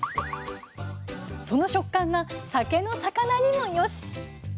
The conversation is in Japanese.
その食感が酒のさかなにもよしっ！